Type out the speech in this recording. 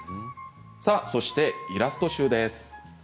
そしてイラスト集です。